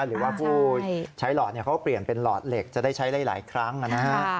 หรือว่าผู้ใช้หลอดเขาเปลี่ยนเป็นหลอดเหล็กจะได้ใช้ได้หลายครั้งนะฮะ